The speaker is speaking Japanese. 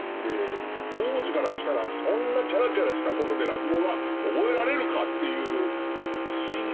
当時からしたらそんなチャラチャラしたことで落語が覚えられるかっていう「信仰」はありましたからね。